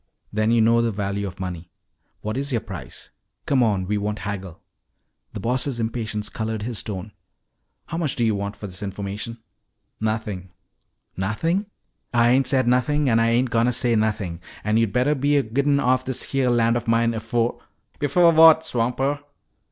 "Then you know the value of money. What is your price? Come on, we won't haggle." The Boss' impatience colored his tone. "How much do you want for this information?" "Nothin'!" "Nothing?" "Ah ain't said nothin' an' Ah ain't a goin' to say nothin'. An' yo' bettah be a gittin' offen this heah land of mine afo' " "Before what, swamper?"